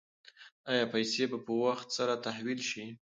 ایا پیسې به په وخت سره تحویل شي؟